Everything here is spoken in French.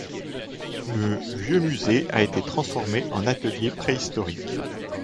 Le vieux musée a été transformé en atelier préhistorique.